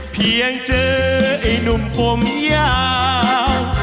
เพียงเจอไอ้หนุ่มผมยาว